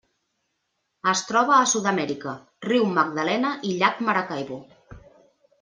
Es troba a Sud-amèrica: riu Magdalena i llac Maracaibo.